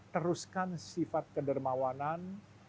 teruskan sifat kedermawanan